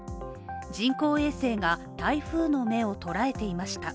人工衛星が台風の目を捉えていました。